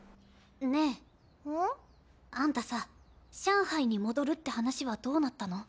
あんたさ上海に戻るって話はどうなったの？